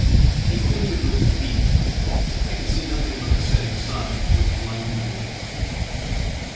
He pointed with his beak. I could see nothing but the setting sun, which blinded me.